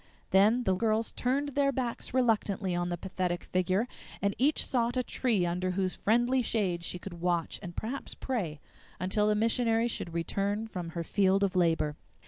Then the girls turned their backs reluctantly on the pathetic figure, and each sought a tree under whose friendly shade she could watch, and perhaps pray, until the missionary should return from her field of labor.